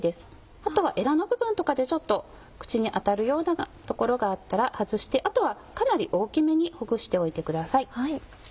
あとはエラの部分とかでちょっと口に当たるような所があったら外してあとはかなり大きめにほぐしておいてください。